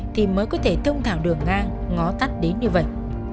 thì mới có thể thông thảo đường ngang ngó tắt đến như vậy